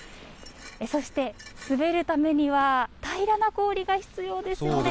そして、滑るためには平らな氷が必要ですよね。